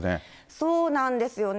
そうなんですよね。